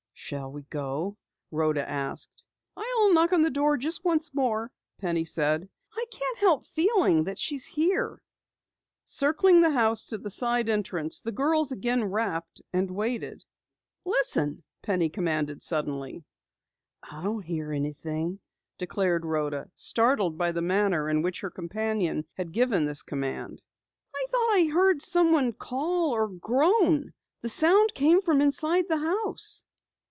"Shall we go?" Rhoda asked. "I'll knock on the door just once more," Penny said. "I can't help feeling that she is here." Circling the house to the side entrance, the girls again rapped and waited. "Listen!" commanded Penny suddenly. "I don't hear anything," declared Rhoda, startled by the manner in which her companion had given the command. "I thought someone called or groaned the sound came from inside the house."